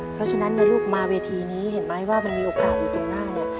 เพราะฉะนั้นนะลูกมาเวทีนี้เห็นไหมว่ามันมีโอกาสอยู่ตรงหน้าเนี่ย